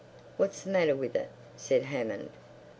What's the matter with it?" said Hammond.